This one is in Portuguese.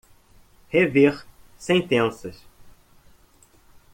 Rever sentenças.